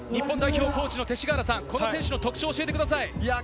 日本代表コーチの勅使川原さん、この選手の特徴を教えてください。